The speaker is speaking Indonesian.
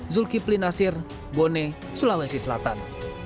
zulkifli nasir bone sulawesi selatan